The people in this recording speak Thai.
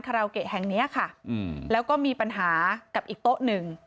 ราวเกะแห่งเนี้ยค่ะอืมแล้วก็มีปัญหากับอีกโต๊ะหนึ่ง